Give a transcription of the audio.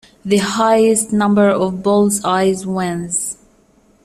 The highest number of bulls-eyes wins.